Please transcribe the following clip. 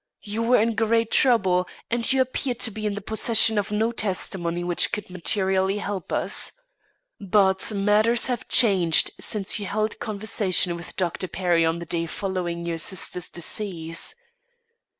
You were in great trouble, and you appeared to be in the possession of no testimony which would materially help us. But matters have changed since you held conversation with Dr. Perry on the day following your sister's decease.